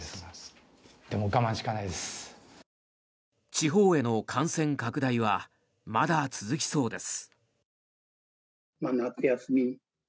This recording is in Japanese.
地方への感染拡大はまだ続きそうです。